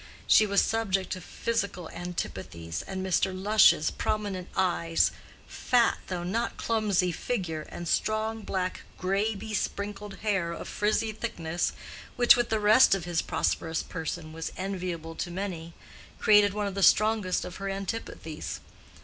She was subject to physical antipathies, and Mr. Lush's prominent eyes, fat though not clumsy figure, and strong black gray besprinkled hair of frizzy thickness, which, with the rest of his prosperous person, was enviable to many, created one of the strongest of her antipathies.